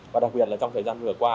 và đặc biệt là trong thời gian vừa qua